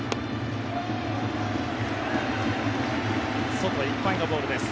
外いっぱいのボールです。